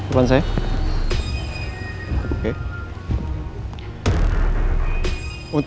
untuk elsa dan ricky kami siap bekerja sama